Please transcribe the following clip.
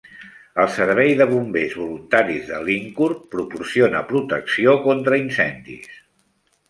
El servei de bombers voluntaris de Lyncourt proporciona protecció contra incendis.